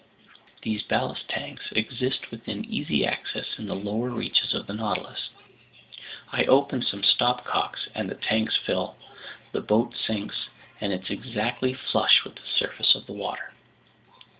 These ballast tanks exist within easy access in the lower reaches of the Nautilus. I open some stopcocks, the tanks fill, the boat sinks, and it's exactly flush with the surface of the water."